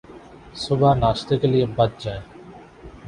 صبح ناشتے کے لئے بچ جائیں